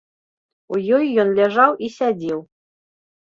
У ёй ён ляжаў і сядзеў.